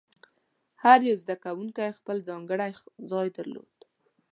هر یو زده کوونکی خپل ځانګړی ځای درلود.